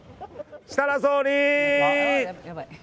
設楽総理！